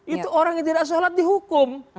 itu orang yang tidak sholat dihukum